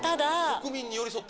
国民に寄り添ったと？